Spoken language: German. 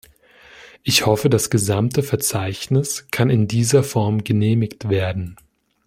Ich hoffe, das gesamte Verzeichnis kann in dieser Form genehmigt werden.